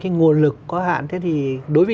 cái nguồn lực có hạn thế thì đối với